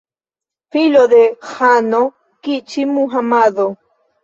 Filo de ĥano Kiĉi-Muhamado.